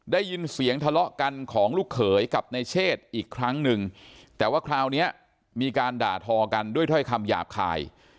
ได้ยินเสียงทะเลาะกันของลูกเขยกับในเชศอีกครั้งหนึ่งแต่ว่าคราวนี้มีการด่าทอกันด้วยถ้อยคำหยาบคาย